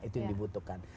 itu yang dibutuhkan